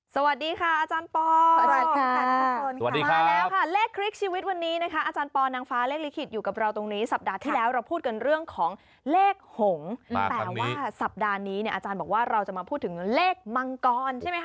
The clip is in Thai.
สวัสดีค่ะวันนี้นะฮะอาจารย์โปรนางฟ้าเลขลิกิตอยู่กับเราตรงนี้สัปดาห์ที่แล้วเราพูดกันเรื่องของเลขห่งแต่ว่าสัปดาห์นี้เนี่ยอาจารย์บอกว่าเราจะมาพูดถึงเลขมังกรใช่มั้ยค่ะ